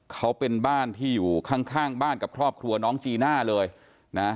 เขาเป็นบ้านที่อยู่ข้างข้างบ้านกับครอบครัวน้องจีน่าเลยนะ